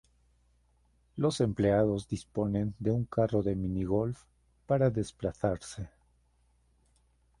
Los empleados disponen de un carro de mini-golf para desplazarse.